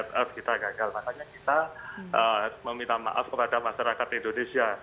makanya kita meminta maaf kepada masyarakat indonesia